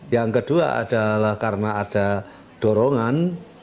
yang kedua adalah karena ada dorongan